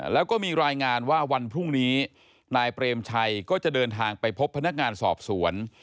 แล้วก็มีรายงานว่าวันพรุ่งนี้นายเปรมชัยก็จะเดินทางไปพบพนักงานสอบสวน